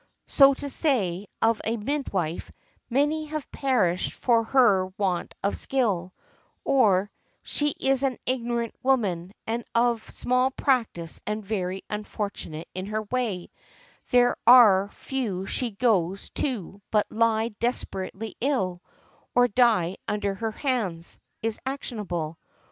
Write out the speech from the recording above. So to say, of a midwife, "Many have perished for her want of skill;" or, "She is an ignorant woman, and of small practice and very unfortunate in her way; there are few she goes to but lie desperately ill, or die under her hands;" is actionable .